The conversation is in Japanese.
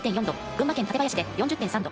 群馬県館林で４０．３度。